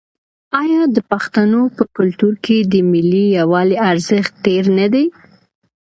آیا د پښتنو په کلتور کې د ملي یووالي ارزښت ډیر نه دی؟